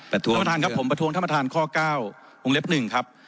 ประทวงท่านครับผมประทวงท่านประทานข้อ๙องค์เล็บ๑ครับ